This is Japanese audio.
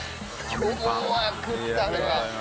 今日は食ったね。